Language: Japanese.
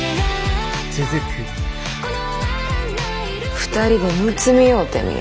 ２人でむつみ合うてみよ。